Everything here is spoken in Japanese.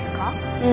うん。